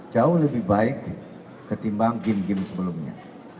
jauh lebih baik ketimbang game game sebelumnya